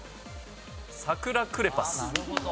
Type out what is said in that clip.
サクラクレパス。